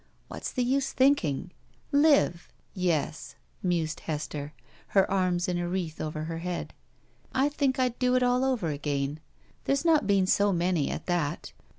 What's the use thinking? Live! Yes," mused Hester, her arms in a wreath over her head, "I think I'd do it all over again. There's not been so many, at that.